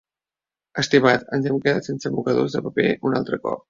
Estimat, ens hem quedat sense mocadors de paper un altre cop.